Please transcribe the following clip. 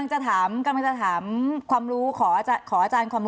อาจารย์หากหนุ่มความรู้ของกอกทอดูประสาท